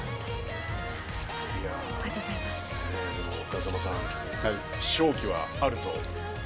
風間さん、勝機はあると？